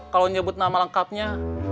kalau nyebut nama lengkapnya